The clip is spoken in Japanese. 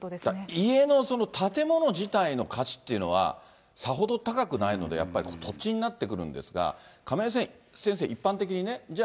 家の建物自体の価値っていうのは、さほど高くないので、やっぱり土地になってくるんですが、亀井先生、一般的にね、じゃあ